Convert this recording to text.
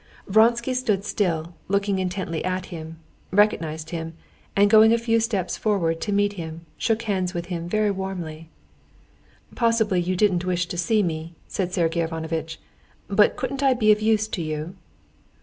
Vronsky stood still, looked intently at him, recognized him, and going a few steps forward to meet him, shook hands with him very warmly. "Possibly you didn't wish to see me," said Sergey Ivanovitch, "but couldn't I be of use to you?"